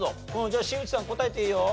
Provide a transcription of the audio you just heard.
じゃあ新内さん答えていいよ。